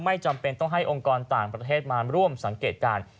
จำเป็นต้องให้องค์กรต่างประเทศมาร่วมสังเกตการณ์